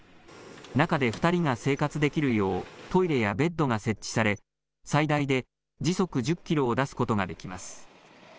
中で２人が生活できるようトイレやベッドが設置され最大で時速１０キロを出すことができます。